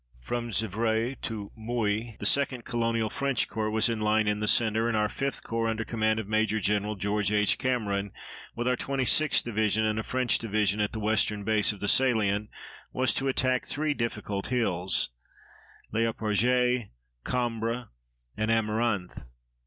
From Xivray to Mouilly the 2d Colonial French Corps was in line in the centre, and our 5th Corps, under command of Major Gen. George H. Cameron, with our 26th Division and a French division at the western base of the salient, was to attack three difficult hills Les Eparges, Combres, and Amaranthe.